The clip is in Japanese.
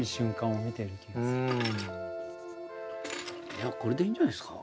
いやこれでいいんじゃないですか。